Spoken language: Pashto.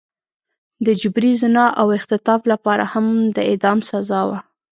د جبري زنا او اختطاف لپاره هم د اعدام سزا وه.